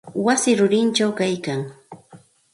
Wasi rurichawmi kaylkan.